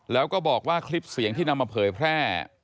แล้วก็บอกว่าคลิปเสียงที่นำมาเผยแพร่